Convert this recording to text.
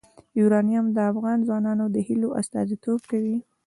یورانیم د افغان ځوانانو د هیلو استازیتوب کوي.